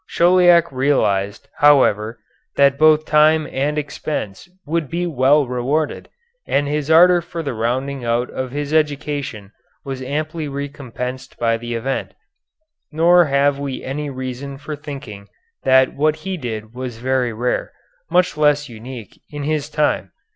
Chauliac realized, however, that both time and expense would be well rewarded, and his ardor for the rounding out of his education was amply recompensed by the event. Nor have we any reason for thinking that what he did was very rare, much less unique, in his time.